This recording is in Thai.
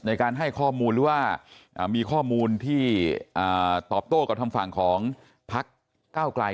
ในการให้ข้อมูลว่ามีข้อมูลที่ตอบโต้กับฝั่งของภาคก้าวกลาย